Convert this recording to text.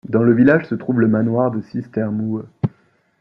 Dans le village se trouve le manoir de Seestermühe.